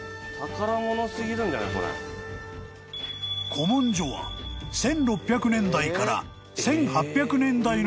［古文書は１６００年代から１８００年代のものまで］